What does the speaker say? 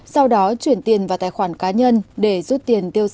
sau đó chuyển tiền vào tài khoản cá nhân để rút tiền